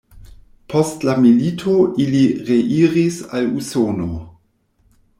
Post la milito ili reiris al Usono.